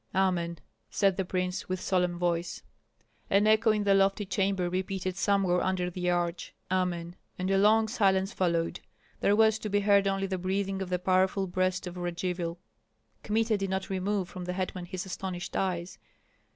"Amen!" said the prince, with solemn voice. An echo in the lofty chamber repeated somewhere under the arch, "Amen," and a long silence followed. There was to be heard only the breathing of the powerful breast of Radzivill. Kmita did not remove from the hetman his astonished eyes.